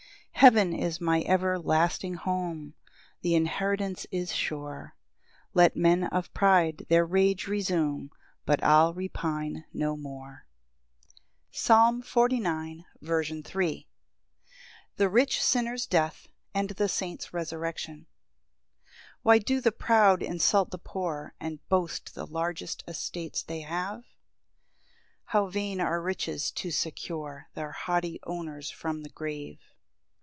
4 Heaven is my everlasting home, Th' inheritance is sure; Let men of pride their rage resume, But I'll repine no more. Psalm 49:3. L. M. The rich sinner's death, and the saint's resurrection. 1 Why do the proud insult the poor, And boast the large estates they have? How vain are riches to secure Their haughty owners from the grave!